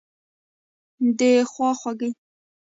دخوا خوګۍ